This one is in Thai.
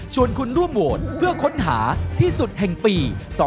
คุณร่วมโหวตเพื่อค้นหาที่สุดแห่งปี๒๕๖